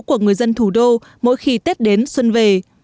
của người dân thủ đô mỗi khi tết đến xuân về